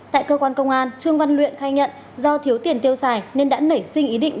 tại cơ quan công an trương văn luyện khai nhận do thiếu tiền tiêu xài nên đã nảy sinh ý định